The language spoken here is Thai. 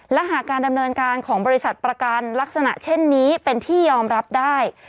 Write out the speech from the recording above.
และหากการดำเนินการของบริษัทประกันลักษณะเช่นนี้เป็นที่ยอมรับได้